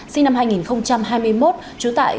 sinh năm hai nghìn hai mươi một trú tại